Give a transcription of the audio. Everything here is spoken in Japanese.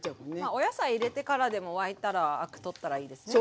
お野菜入れてからでも沸いたらアク取ったらいいですね。